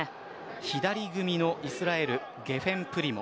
左組みのイスラエル、ゲフェン・プリモ。